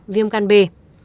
viêm can bê